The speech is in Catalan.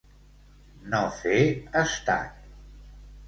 No fer estat.